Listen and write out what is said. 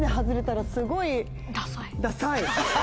ダサい。